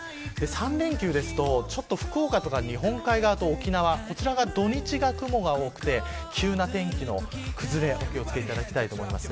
３連休ですと福岡とか日本海側と沖縄土日が雲が多くて急な天気の崩れにお気を付けいただきたいと思います。